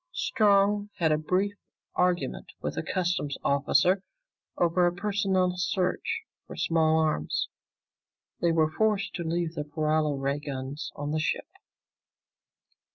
Strong had a brief argument with a customs officer over a personal search for small arms. They were forced to leave their paralo ray guns on the ship.